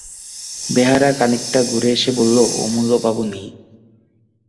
বেহারা খানিকটা ঘুরে এসে বললে, অমূল্যবাবু নেই।